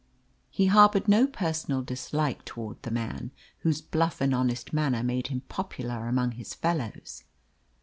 He harboured no personal dislike towards the man, whose bluff and honest manner made him popular among his fellows.